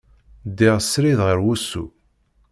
Ddiɣ srid ɣer wusu.